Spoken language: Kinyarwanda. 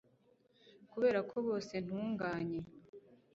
Kubera ko bose ntunganye